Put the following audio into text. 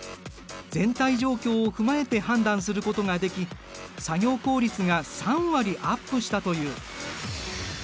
全体状況を踏まえて判断することができ作業効率が３割アップしたという。